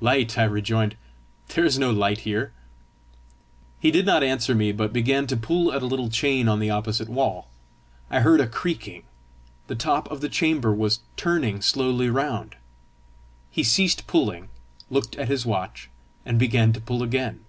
"Light!" I rejoined; "there is no light here!" He did not answer me, but began to pull at a little chain on the opposite wall. I heard a creaking: the top of the chamber was turning slowly round. He ceased pulling, looked at his watch, and began to pull again.